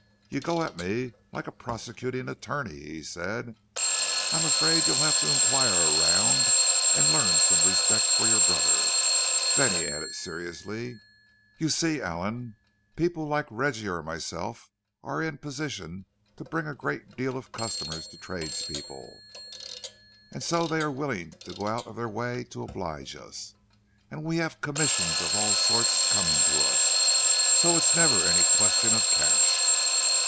"You go at me like a prosecuting attorney," he said. "I'm afraid you'll have to inquire around and learn some respect for your brother." Then he added, seriously, "You see, Allan, people like Reggie or myself are in position to bring a great deal of custom to tradespeople, and so they are willing to go out of their way to oblige us. And we have commissions of all sorts coming to us, so it's never any question of cash."